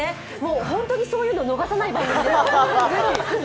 本当にそういうの逃さない番組ですよ。